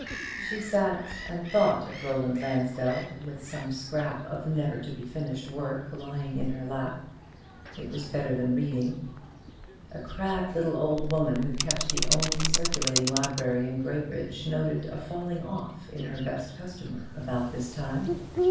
She sat and thought of Roland Lansdell, with some scrap of never to be finished work lying in her lap. It was better than reading. A crabbed little old woman who kept the only circulating library in Graybridge noted a falling off in her best customer about this time.